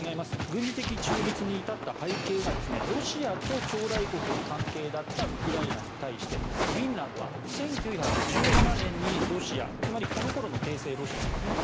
軍事的中立に至った背景がロシアと兄弟国の関係だったウクライナに対してフィンランドは１９１７年にロシアつまりこの頃の帝政ロシアですね